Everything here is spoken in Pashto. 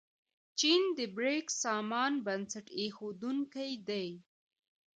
چین د بریکس سازمان بنسټ ایښودونکی دی.